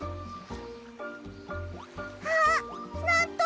あっなんと！